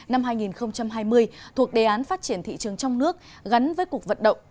năm hai nghìn hai mươi thuộc đề án phát triển thị trường trong nước gắn với cuộc vận động